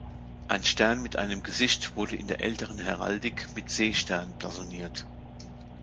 Ein Stern mit einem Gesicht wurde in der älteren Heraldik mit "Seestern" blasoniert.